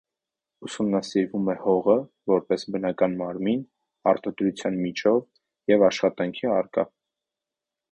Ուսումնասիրվում է հողը՝ որպես բնական մարմին, արտադրության միջոց և աշխատանքի առարկա։